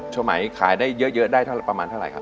ช่วงใหม่ขายได้เยอะได้ประมาณเท่าไหร่ครับ